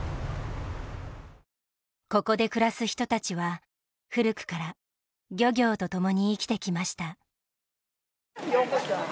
ここで暮らす人たちは古くから漁業とともに生きてきました。